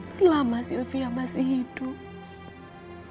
selama sylvia masih hidup